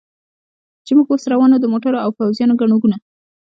چې موږ اوس روان و، د موټرو او پوځیانو ګڼه ګوڼه.